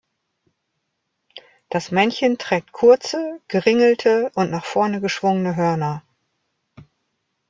Das Männchen trägt kurze, geringelte und nach vorne geschwungene Hörner.